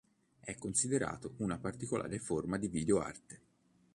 È considerato una particolare forma di videoarte.